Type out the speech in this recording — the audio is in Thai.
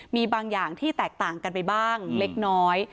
มีบางอย่างที่แตกต่างกันไปบ้างเล็กน้อย